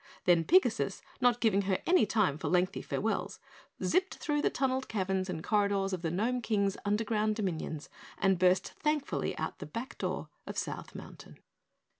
Then Pigasus, not giving her time for any lengthy farewells, zipped through the tunneled caverns and corridors of the Gnome King's Underground Dominions and burst thankfully out the back door of South Mountain.